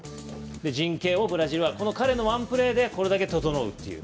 陣形をブラジルが彼のワンプレーでこれだけ整うという。